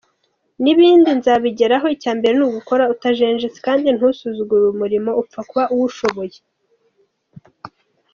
Nibindi nzabigeraho icya mbere ni ugukora utajenjetse kandi ntusuzugure umurimo upfa kuba uwushoboye.